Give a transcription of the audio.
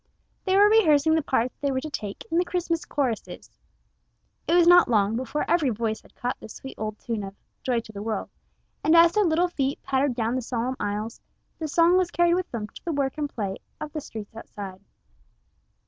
They were rehearsing the parts they were to take in the Christmas choruses. It was not long before every voice had caught the sweet old tune of "Joy to the World," and as their little feet pattered down the solemn aisles, the song was carried with them to the work and play of the streets outside.